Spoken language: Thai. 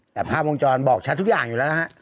แต่ภาพวงจรบอกชัดทุกอย่างอยู่แล้วฮะ